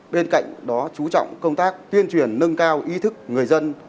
bên cạnh đó chú trọng công tác tuyên truyền nâng cao ý thức người dân